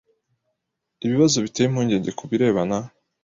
ibibazo biteye impungenge ku birebana